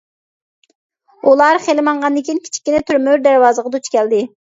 ئۇلار خېلى ماڭغاندىن كېيىن كىچىككىنە تۆمۈر دەرۋازىغا دۇچ كەلدى.